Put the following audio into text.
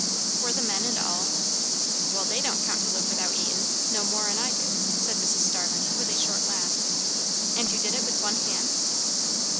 "For the men and all!" "Well, they don't count to live without eatin', no mor'n I do," said Mrs. Starling with a short laugh. "And you did it with one hand!"